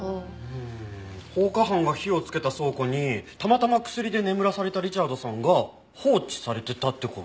うん放火犯が火をつけた倉庫にたまたま薬で眠らされたリチャードさんが放置されてたって事？